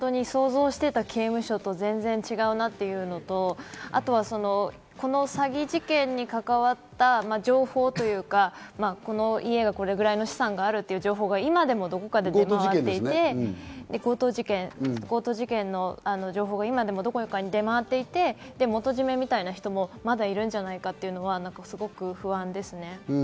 想像していた刑務所と全然違うなっていうのと、この詐欺事件に関わった情報というか、この家がこのぐらいの資産があるという情報が今でも出回っていて、強盗事件の情報が今でもどこかに見回っていて、元締めみたいな人もいるんじゃないかというのは、すごく不安ですね。